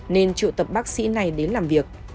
nên trụ tập bác sĩ này đến làm việc